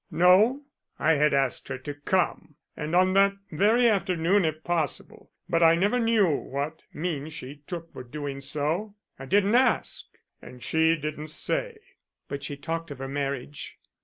"No; I had asked her to come, and on that very afternoon if possible, but I never knew what means she took for doing so; I didn't ask and she didn't say." "But she talked of her marriage?